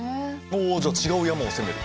ああじゃあ違う山を攻める？